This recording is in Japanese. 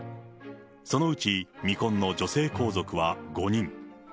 そのうち未婚の女性皇族は５人。